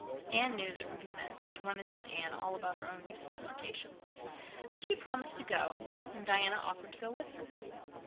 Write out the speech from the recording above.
Anne knew that Ruby meant that she wanted to tell Anne all about her own recent flirtations, but she promised to go, and Diana offered to go with her.